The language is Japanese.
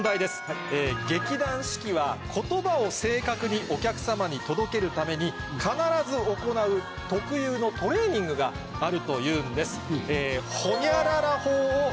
劇団四季は言葉を正確にお客様に届けるために必ず行う特有のトレーニングがあるというんです。